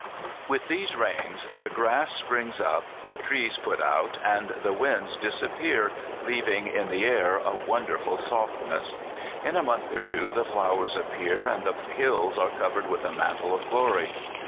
209 With these rains the grass springs up, the trees put out, and the winds disappear, leaving in the air a wonderful softness. In a month or two the flowers appear, and the hills are covered with a mantle of glory.